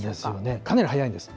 かなり早いんです。